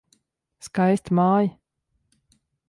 Skaista māja.